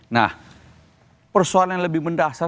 nah persoalan yang lebih mendasar